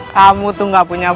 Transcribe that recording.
kamu tuh gak punya